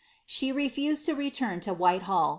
She refused to return to Whilehsll.